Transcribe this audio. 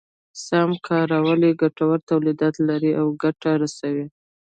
سم کارول يې ګټور توليدات لري او ګټه رسوي.